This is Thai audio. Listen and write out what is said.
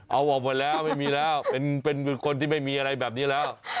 เอาออกหมดแล้วไม่มีแล้วเป็นคนที่ไม่มีอะไรแบบนี้แล้ว